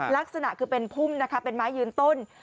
ลักษณะคือเป็นพุ่มนะคะเป็นไม้ยืนต้น